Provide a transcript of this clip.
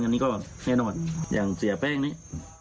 อันนี้ก็แน่นอนอย่างเสียแป้งนี้